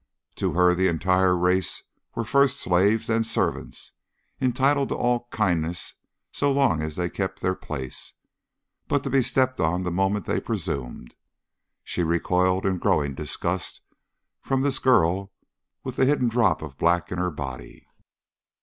To her the entire race were first slaves, then servants, entitled to all kindness so long as they kept their place, but to be stepped on the moment they presumed. She recoiled in growing disgust from this girl with the hidden drop of black in her body.